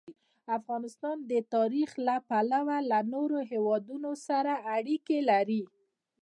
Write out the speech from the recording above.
افغانستان د تاریخ له پلوه له نورو هېوادونو سره اړیکې لري.